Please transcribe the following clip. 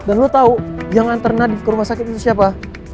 dan lo tau yang nganter nadib ke rumah sakit itu siapa